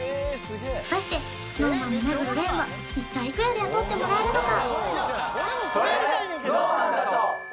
果たしてＳｎｏｗＭａｎの目黒蓮は一体いくらで雇ってもらえるのか？